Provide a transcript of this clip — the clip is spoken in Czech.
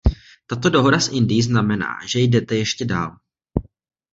Tato dohoda s Indií znamená, že jdete ještě dál.